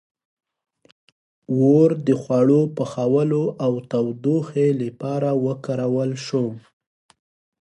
• اور د خوړو پخولو او تودوخې لپاره وکارول شو.